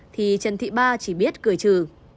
thì trần thị ba chỉ biết cười trừ